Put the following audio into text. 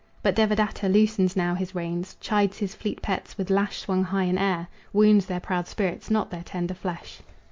But Devadatta loosens now his reins, Chides his fleet pets, with lash swung high in air Wounds their proud spirits, not their tender flesh.